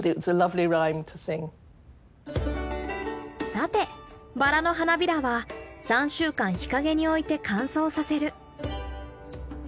さてバラの花びらは３週間日陰に置いて乾燥させる。